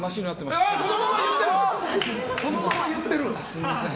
すみません。